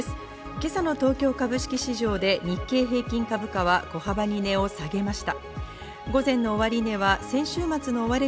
今朝の東京株式市場で日経平均株価は小幅に値を下げました。